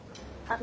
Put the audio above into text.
あ。